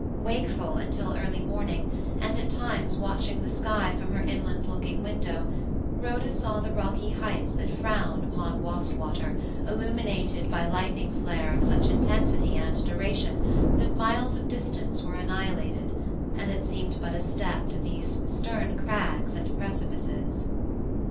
Wakeful until early morning, and at times watching the sky from her inland looking window, Rhoda saw the rocky heights that frown upon Wastwater illuminated by lightning flare of such intensity and duration that miles of distance were annihilated, and it seemed but a step to those stern crags and precipices.